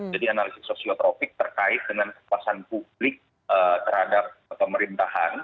jadi analisis sosiotropik terkait dengan kepuasan publik terhadap pemerintahan